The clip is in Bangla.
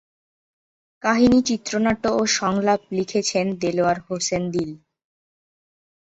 কাহিনি, চিত্রনাট্য ও সংলাপ লিখেছেন দেলোয়ার হোসেন দিল।